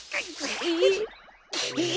えっ？